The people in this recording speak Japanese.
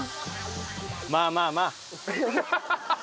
まあまあまあ。